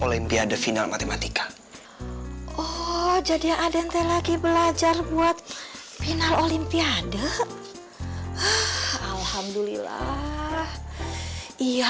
olimpiade final matematika oh jadi ada yangte lagi belajar buat final olimpiade alhamdulillah iya